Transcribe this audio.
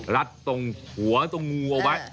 รัดตรงหัวตรงงูเอาไว้